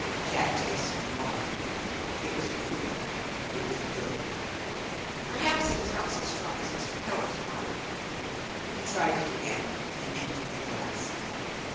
Jack tasted the wine. It was cool; it was good. Perhaps it was not so strong as Mr. Keller's wine? He tried it again and emptied the glass.